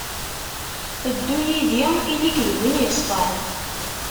Ddu yid-i, ili-k d win yeṣfan.